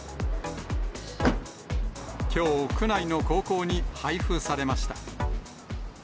きょう、区内の高校に配布されました。